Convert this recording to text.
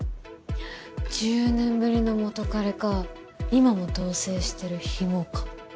１０年ぶりの元彼か今も同棲してるヒモか。